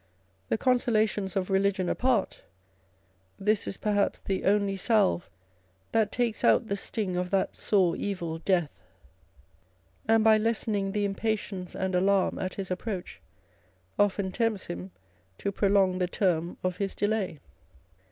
The consolations of religion apart, this is perhaps the only salve that takes out the sting of that sore evil, Death; and by lessening the impatience and alarm at his approach often tempts him to prolong the term of his delay.